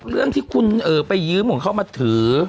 เรื่องที่คุณไปยืมของเขามาถือ